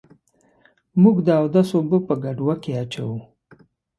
موږ د اودس اوبه په ګډوه کي اچوو.